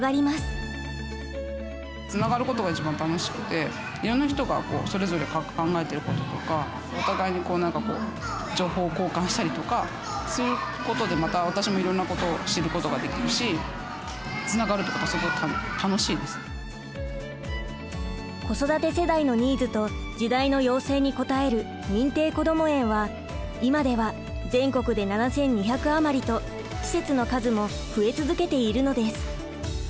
つながることが一番楽しくていろんな人がそれぞれ考えてることとかお互いに何かこう情報交換したりとかそういうことでまた私もいろんなことを知ることができるし子育て世代のニーズと時代の要請に応える認定こども園は今では全国で７，２００余りと施設の数も増え続けているのです。